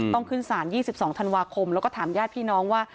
ขึ้นศาล๒๒ธันวาคมแล้วก็ถามญาติพี่น้องว่า